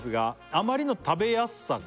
「あまりの食べやすさから」